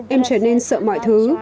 em trở nên sợ mọi thứ